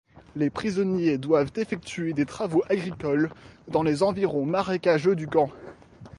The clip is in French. Les prisonniers doivent effectuer des travaux agricoles dans les environs marécageux du camp.